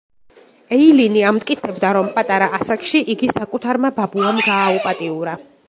ეილინი ამტკიცებდა, რომ პატარა ასაკში იგი საკუთარმა ბაბუამ გააუპატიურა.